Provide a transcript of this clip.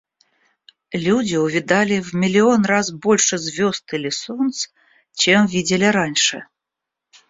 Люди увидали в миллион раз больше звезд, или солнц, чем видели раньше.